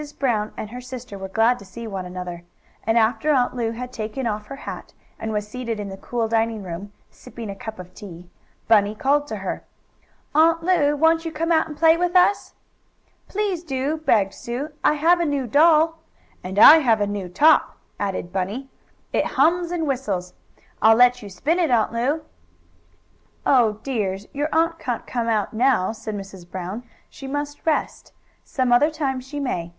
Brown and her sister were glad to see one another, and after Aunt Lu had taken off her hat, and was seated In the cool dining room, sipping a cup of tea, Bunny called to her: "Aunt Lu, won't you come out and play with us?" "Please do!" begged Sue. "I have a new doll." "And I have a new top," added Bunny. "It hums and whistles. I'll let you spin it, Aunt Lu." "Oh, dears, your aunt can't come out now," said Mrs. Brown. "She must rest. Some other time she may.